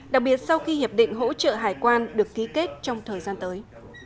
đặc biệt sau khi hiệp định hỗ trợ hải quan được ký kết trong thời gian tới